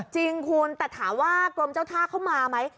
จริงคุณแต่ถามว่ากรมเจ้าท่าเข้ามาไหม